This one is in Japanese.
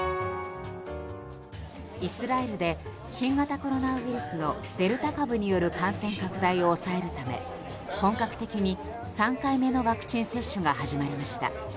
イスラエルで新型コロナウイルスのデルタ株による感染拡大を抑えるため本格的に３回目のワクチン接種が始まりました。